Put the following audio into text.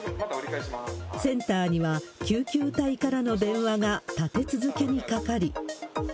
センターには、救急隊からの電話が立て続けにかかり。